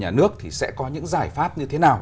cơ quan nhà nước thì sẽ có những giải pháp như thế nào